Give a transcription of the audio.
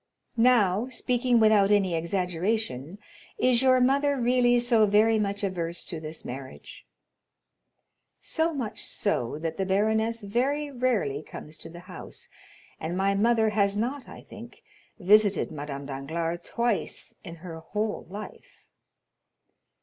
"Now, speaking without any exaggeration, is your mother really so very much averse to this marriage?" "So much so that the baroness very rarely comes to the house, and my mother, has not, I think, visited Madame Danglars twice in her whole life."